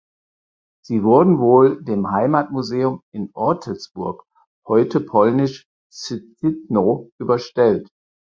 Sie wurden wohl dem Heimatmuseum in Ortelsburg (heute polnisch "Szczytno") überstellt.